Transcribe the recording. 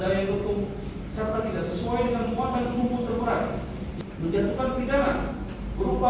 daya dukung serta tidak sesuai dengan muatan sumbu terberat